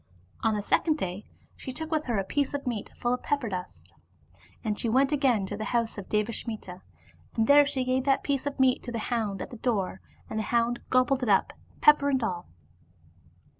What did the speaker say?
On the second day she took with her a piece of meat full of pepper dust, and went again to the house of Devasmita, and there she gave that piece of meat to the hound at the door, and the hound gobbled it up, pepper and all.